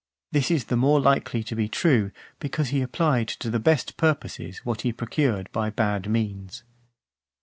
This is the more likely to be true, because he applied to the best purposes what he procured by bad means.